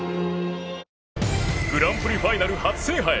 グランプリファイナル初制覇へ。